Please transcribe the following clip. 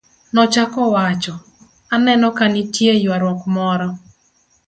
nochako wacho, aneno ka nitie ywaruok moro